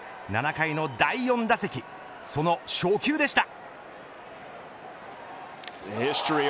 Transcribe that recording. ７回の第４打席その初球でした。